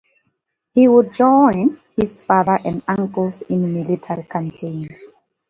He would join his father and uncles in military campaigns.